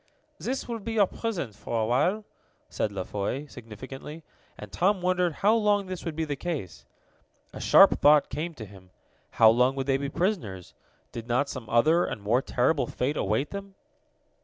"This will be your prison for a while," said La Foy significantly, and Tom wondered how long this would be the case. A sharp thought came to him how long would they be prisoners? Did not some other, and more terrible, fate await them?